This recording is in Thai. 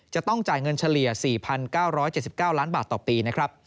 จะต้องจ่ายเงินเฉลี่ย๔๙๗๙ล้านบาทต่อปีนะครับ